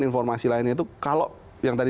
informasi lainnya itu kalau yang tadi